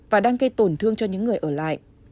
và đang gây tổn thương cho những người ở lại